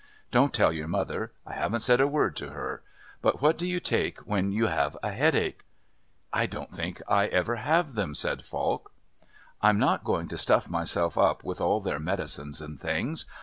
Don't tell your mother; I haven't said a word to her; but what do you take when you have a headache?" "I don't think I ever have them," said Falk. "I'm not going to stuff myself up with all their medicines and things.